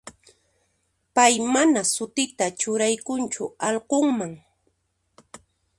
Pay mana sutita churaykunchu allqunman.